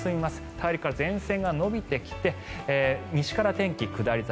大陸から前線が延びてきて西から天気、下り坂。